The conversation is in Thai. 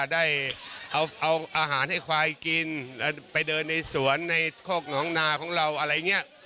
ได้เอาอาหารให้ควายกินไปเดินในสวนในโคกหนองนาของเราอะไรอย่างนี้